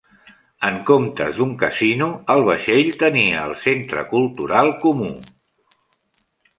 En comptes d'un casino, el vaixell tenia el Centre Cultural Kumu.